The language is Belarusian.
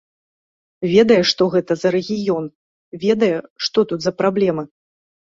Ведае, што гэта за рэгіён, ведае, што тут за праблемы.